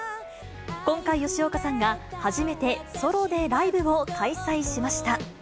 今回、吉岡さんが初めてソロでライブを開催しました。